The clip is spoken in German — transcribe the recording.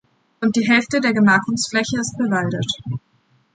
Rund die Hälfte der Gemarkungsfläche ist bewaldet.